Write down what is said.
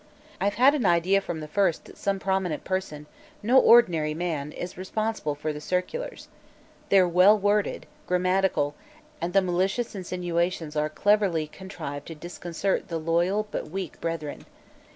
I've had an idea from the first that some prominent person no ordinary man is responsible for the circulars. They're well worded, grammatical, and the malicious insinuations are cleverly contrived to disconcert the loyal but weak brethren.